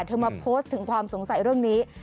มาโพสต์ถึงความสงสัยเรื่องนี้